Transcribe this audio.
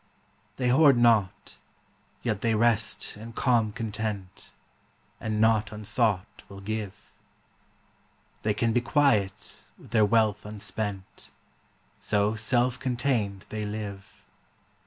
They hoard not, yet they rest in calm content, And not unsought will give; They can be quiet with their wealth unspent, So self contained they live.